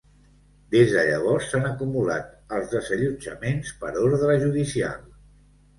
Des de llavors, s’han acumulat els desallotjaments per ordre judicial.